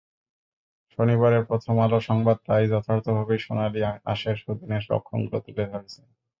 শনিবারের প্রথম আলোর সংবাদ তাই যথার্থভাবেই সোনালি আঁশের সুদিনের লক্ষণগুলো তুলে ধরেছে।